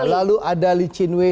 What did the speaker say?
lalu ada lee chin wei